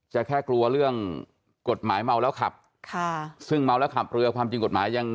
แค่กลัวเรื่องกฎหมายเมาแล้วขับค่ะซึ่งเมาแล้วขับเรือความจริงกฎหมายยัง